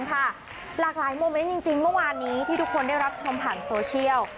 หลากหลายโมเมนต์จริงเมื่อวานนี้ที่ทุกคนได้รับชมผ่านโซเชียล